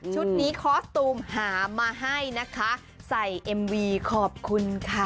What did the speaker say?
นี้คอสตูมหามาให้นะคะใส่เอ็มวีขอบคุณค่ะ